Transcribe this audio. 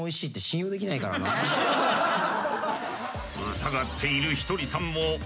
疑っているひとりさんもうん！